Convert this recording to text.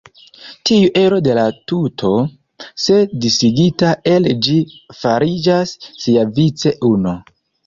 Tiu ero de la tuto, se disigita el ĝi fariĝas siavice uno.